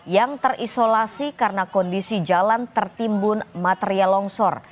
yang terisolasi karena kondisi jalan tertimbun material longsor